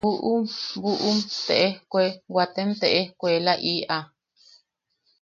“buʼum... buʼum te ejkue... waatem te ejkuelaʼiʼa.